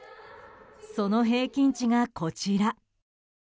その平均値がこちら。